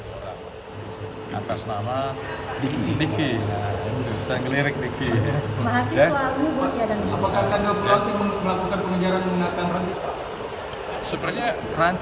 dari harapan mundur kan gitu